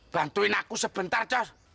bantuin aku sebentar cos